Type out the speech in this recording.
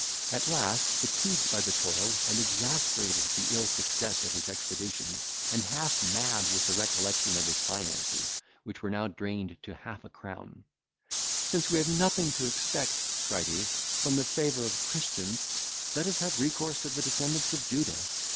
At last, fatigued by the toil, and exasperated at the ill success of his expedition, and half mad with the recollection of his finances, which were now drained to half a crown, "Since we have nothing to expect," cried he, "from the favour of Christians, let us have recourse to the descendants of Judah.